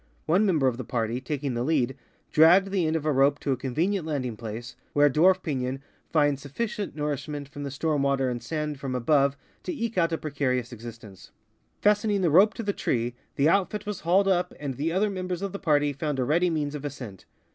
One member of the party, taking the lead, dragged the end of a rope to a convenient landing place, where a dwarf piiion finds sufficient nourishment from the storm water and sand from above to eke out a precarious existence. Fastening the rope to the tree, the outfit was hauled up, and the other members of the party found a ready means of ascent.